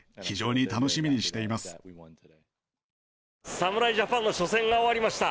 侍ジャパンの初戦が終わりました。